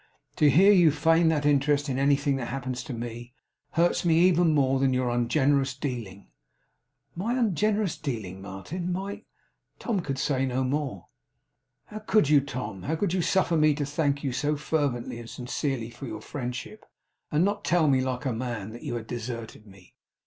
'To hear you feign that interest in anything that happens to me, hurts me even more than your ungenerous dealing.' 'My ungenerous dealing! Martin! My ' Tom could say no more. 'How could you, Tom, how could you suffer me to thank you so fervently and sincerely for your friendship; and not tell me, like a man, that you had deserted me!